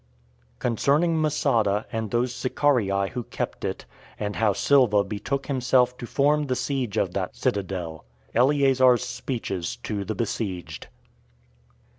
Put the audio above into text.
Concerning Masada And Those Sicarii Who Kept It; And How Silva Betook Himself To Form The Siege Of That Citadel. Eleazar's Speeches To The Besieged.